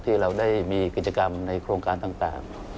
ที่เราได้มีกิจกรรมในโครงการต่าง